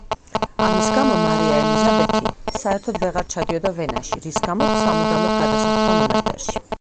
ამის გამო მარია ელიზაბეთი საერთოდ ვეღარ ჩადიოდა ვენაში, რის გამოც სამუდამოდ გადასახლდა მონასტერში.